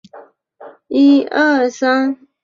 不依附政党！